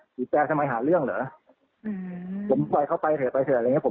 หยิบแปลจะมาหาเรื่องเหรออือผมปล่อยเขาไปเถอะไปเถอะอะไรอย่างเงี้ย